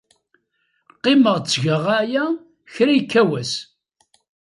Qqimeɣ ttgeɣ aya kra yekka wass.